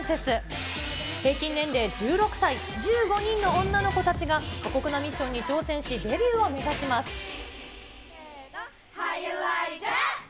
平均年齢１６歳、１５人の女の子たちが過酷なミッションに挑戦し、デビューを目指します。